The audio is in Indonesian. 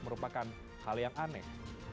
merupakan hal yang aneh